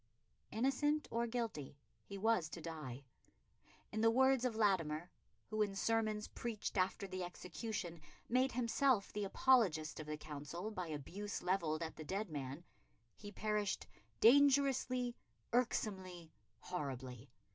Innocent or guilty, he was to die. In the words of Latimer who, in sermons preached after the execution, made himself the apologist of the Council by abuse levelled at the dead man he perished "dangerously, irksomely, horribly....